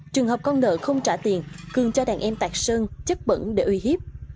trường hợp con nợ không trả tiền cường cho đàn em tạc sơn chất bẩn để uy hiếp